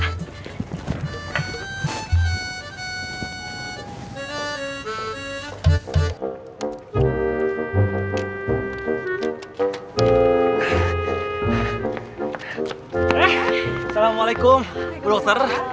assalamualaikum bu dokter